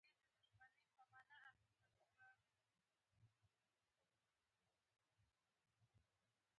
افغانستان تر هغو نه ابادیږي، ترڅو قیمتي ډبرې قاچاق نشي.